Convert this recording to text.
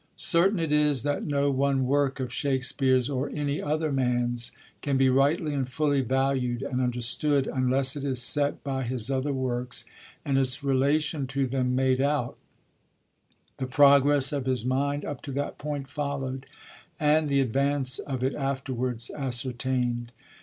Certain it is that no one work of Shakspere's, or any other man's, can be rightly and fully valued and understood, unless it is set by his other works, and its relation to them made out, the progress of his mind up to that point followd, and the advance of it afterwards ascertaind.